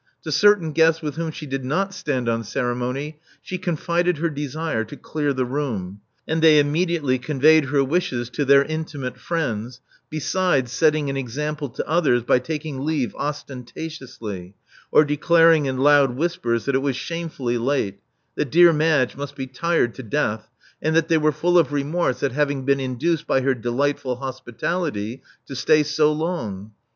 To certain guests with whom she did not stand on ceremony she confided her desire to clear the room ; and they immediately con veyed her wishes to their intimate friends, besides setting an example to others by taking leave osten tatiously, or declaring in loud whispers that it was shamefully late; that dear Madge must be tired to death ; and that they were full of remorse at having been induced by her delightful hospitality to stay so long.